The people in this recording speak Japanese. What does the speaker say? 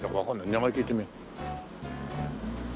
名前聞いてみよう。